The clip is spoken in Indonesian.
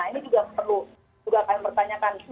ini juga perlu juga akan bertanyakan